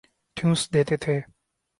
ﭨﮭﻮﻧﺲ ﺩﯾﺘﮯ ﺗﮭﮯ